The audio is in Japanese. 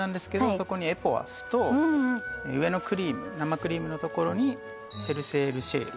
そこにエポワスとうんうん上のクリーム生クリームのところにセル・シュール・